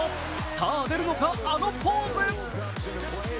さあ出るのか、あのポーズ。